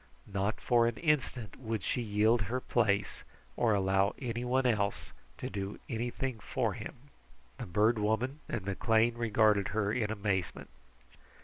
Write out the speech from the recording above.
Not for an instant would she yield her place, or allow anyone else to do anything for him. The Bird Woman and McLean regarded her in amazement.